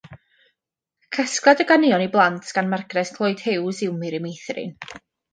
Casgliad o ganeuon i blant gan Margaret Lloyd Hughes yw Miri Meithrin.